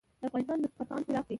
د افغانستان دسترخان پراخ دی